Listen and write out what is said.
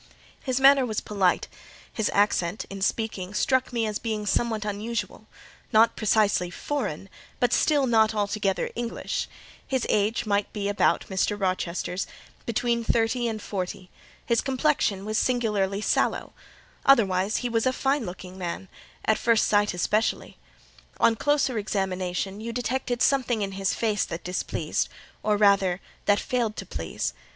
His manner was polite; his accent, in speaking, struck me as being somewhat unusual,—not precisely foreign, but still not altogether English: his age might be about Mr. Rochester's,—between thirty and forty; his complexion was singularly sallow: otherwise he was a fine looking man, at first sight especially. On closer examination, you detected something in his face that displeased, or rather that failed to please.